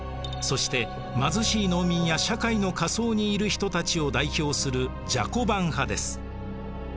そして貧しい農民や社会の下層にいる人たちを代表するジャコバン派です。